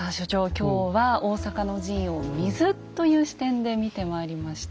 今日は大坂の陣を「水」という視点で見てまいりました。